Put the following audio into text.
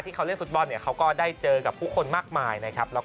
ที่เขาเล่นฟุตบอลเขาก็ได้เจอกับผู้คนมากมายนะครับแล้ว